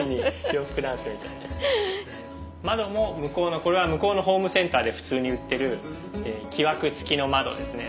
窓も向こうのこれは向こうのホームセンターで普通に売ってる木枠つきの窓ですね。